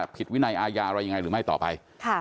ผิดวินัยอาญาอะไรยังไงหรือไม่ต่อไป